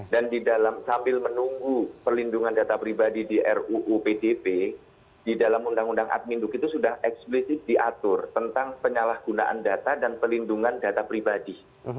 dan di dalam sambil menunggu perlindungan data pribadi di ruu pdb di dalam undang undang admin itu sudah eksplisit diatur tentang penyalahgunaan data dan perlindungan data pribadi